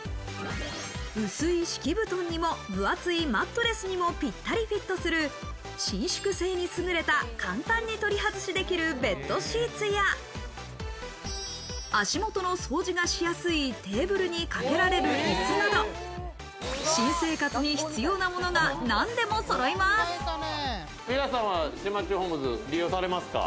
薄い敷布団にも分厚いマットレスにもぴったりフィットする伸縮性にすぐれた簡単に取り外しできるベッドシーツや足元の掃除がしやすいテーブルにかけられる椅子など、新生活に必要なものが何でもそろいます。